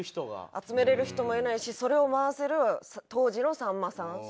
集められる人もいないしそれを回せる当時のさんまさん。